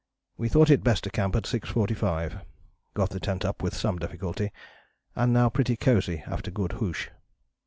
We thought it best to camp at 6.45. Got the tent up with some difficulty, and now pretty cosy after good hoosh.